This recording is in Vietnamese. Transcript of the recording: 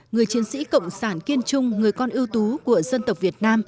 người chiến sĩ cộng sản kiên trung người con ưu tú của dân tộc việt nam